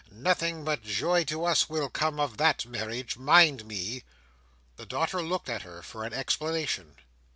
"Nothing but joy to us will come of that marriage. Mind me!" The daughter looked at her for an explanation.